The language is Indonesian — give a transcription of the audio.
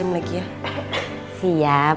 masuk susah susah